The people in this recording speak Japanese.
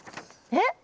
えっ？